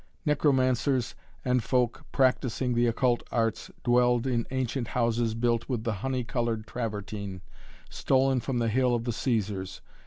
Necromancers and folk practising the occult arts dwelled in ancient houses built with the honey colored Travertine, stolen from the Hill of the Cæsars.